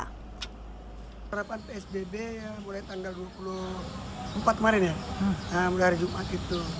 penerapan psbb mulai tanggal dua puluh empat kemarin ya mulai hari jumat itu